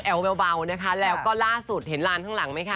เบานะคะแล้วก็ล่าสุดเห็นลานข้างหลังไหมคะ